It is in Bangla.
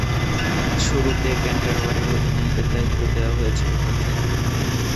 শুরুতে ক্যান্টারবারির অধিনায়কের দায়িত্ব দেয়া হয়েছিল তাকে।